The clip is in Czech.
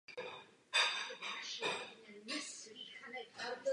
V muzeu se nachází též expozice věnovaná historii obce.